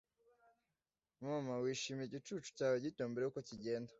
mama wishimira igicucu cyawe gito mbere yuko kigenda